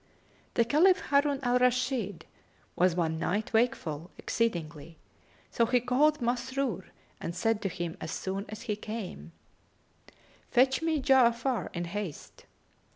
The Caliph Harun al Rashid was one night wakeful exceedingly; so he called Masrur and said to him as soon as he came, "Fetch me Ja'afar in haste."